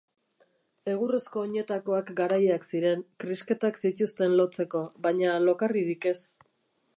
Egurrezko oinetakoak garaiak ziren, krisketak zituzten lotzeko, baina lokarririk ez.